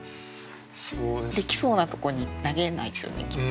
できそうなとこに投げないですよねきっと。